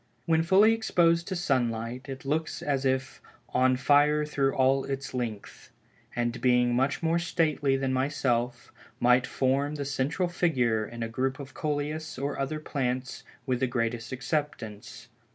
When fully exposed to sunlight, it looks as if "on fire through all its length," and being much more stately than myself, might form the central figure in a group of Coleus or other plants with the greatest acceptance.